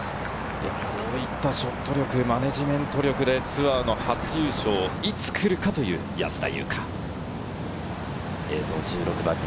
こういったショット力、マネジメント力で、ツアー初優勝がいつ来るかという安田祐香です。